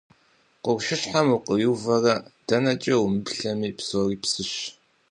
Къуршыщхьэм укъиувэрэ дэнэкӀэ умыплъэми, псори псыщ.